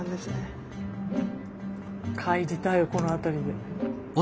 帰りたいよこの辺りで。